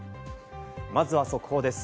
まずは速報です。